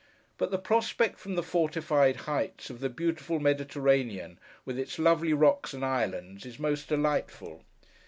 But the prospect, from the fortified heights, of the beautiful Mediterranean, with its lovely rocks and islands, is most delightful.